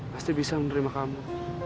pasti bisa menerima kamu